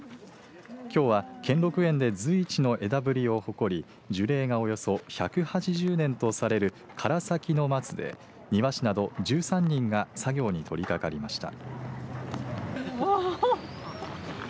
きょうは兼六園で随一の枝ぶりを誇り樹齢がおよそ１８０年とされる唐崎の松で庭師など１３人が作業に取り掛かりました。